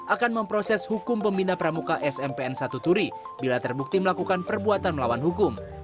akan memproses hukum pembina pramuka smpn satu turi bila terbukti melakukan perbuatan melawan hukum